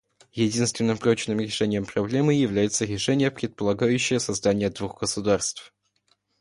Единственным прочным решением проблемы является решение, предполагающее создание двух государств.